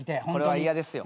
これは嫌ですよ。